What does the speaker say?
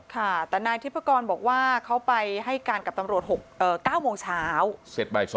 ค่ะแต่นายทศพกรบอกว่าเขาไปให้การกับตำรวจ๙สวัสดีเช้า